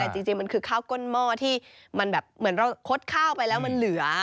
แต่จริงมันคือข้าวก้นหม้อที่มันแบบเหมือนเราคดข้าวไปแล้วมันเหลือ